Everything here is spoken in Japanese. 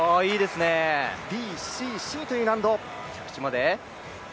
Ｄ、Ｃ、Ｃという難度。